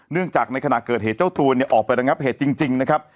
เนื่องจากในขณะเกิดเหตุเจ้าตัวเนี่ยออกไประงับเหตุจริงนะครับ